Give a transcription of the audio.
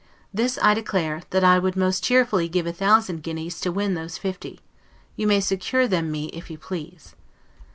This I declare, that I would most cheerfully give a thousand guineas to win those fifty; you may secure them me if you please.